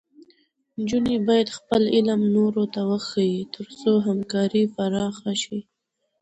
نجونې باید خپل علم نورو ته وښيي، تر څو همکاري پراخه شي.